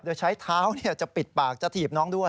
โดยใช้เท้าจะปิดปากจะถีบน้องด้วย